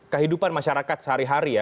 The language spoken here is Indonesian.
kehidupan masyarakat sehari hari ya